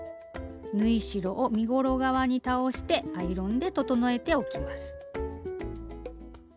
縫い代を身ごろ側に倒してアイロンで整えておきます。